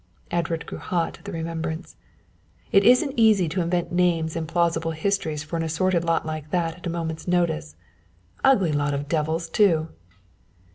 Edward grew hot at the remembrance. "It isn't easy to invent names and plausible histories for an assorted lot like that at a moment's notice ugly lot of devils, too."